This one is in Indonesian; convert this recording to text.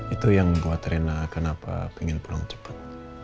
itu yang membuat rena kenapa ingin pulang cepet